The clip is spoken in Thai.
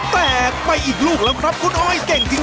แตกไปอีกลูกแล้วครับคุณอ้อยเก่งจริง